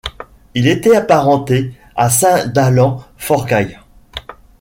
Il était apparenté à saint Dallan Forgaill.